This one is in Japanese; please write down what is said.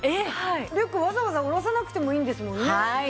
リュックわざわざ下ろさなくてもいいんですもんね。